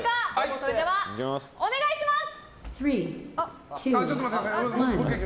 それでは、お願いします！